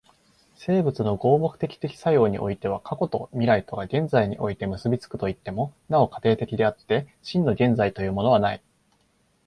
生物の合目的的作用においては過去と未来とが現在において結び付くといっても、なお過程的であって、真の現在というものはない。